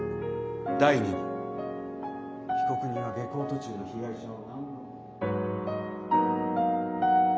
第２に被告人は下校途中の被害者を。